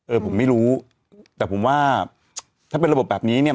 เออผมไม่รู้แต่ผมว่าถ้าเป็นระบบแบบนี้เนี่ย